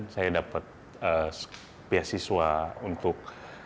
dua ribu sembilan saya dapat beasiswa untuk